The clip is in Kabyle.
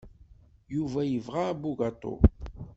Yuba yebɣa abugaṭu.